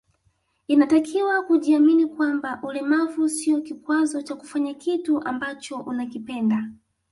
Inatakiwa kujiamini kwamba ulemavu sio kikwazo cha kufanya kitu ambacho unakipenda